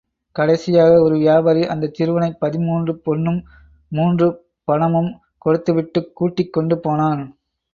கடைசியாக ஒரு வியாபாரி அந்தச் சிறுவனைப் பதின்மூன்று பொன்னும் மூன்று பணமும் கொடுத்துவிட்டுக் கூட்டிக் கொண்டு போனான்.